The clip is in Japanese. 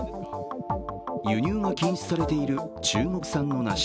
輸入が禁止されている中国産の梨